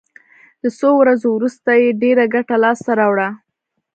د څو ورځو وروسته یې ډېره ګټه لاس ته راوړه.